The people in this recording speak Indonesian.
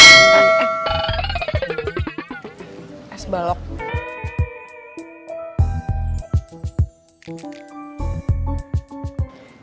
sampai jumpa di video selanjutnya